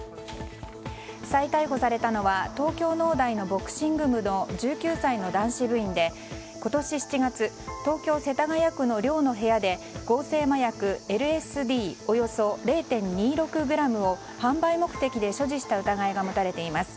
再逮捕されたのは東京農大のボクシング部の１９歳の男子部員で今年７月東京・世田谷区の寮の部屋で合成麻薬ＬＳＤおよそ０．２６ｇを販売目的で所持した疑いが持たれています。